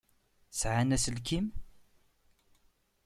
Sεan aselkim?